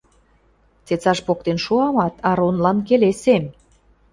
Цецаш поктен шоамат, Аронлан келесем...»